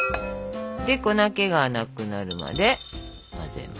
で粉けがなくなるまで混ぜますと。